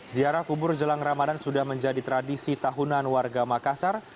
ziarah kubur jelang ramadan sudah menjadi tradisi tahunan warga makassar